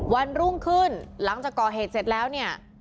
วันรุ่งขึ้นหลังจากก่อเหตุเสร็จแล้วเนี่ย